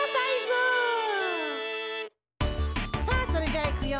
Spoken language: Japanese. さあそれじゃあいくよ！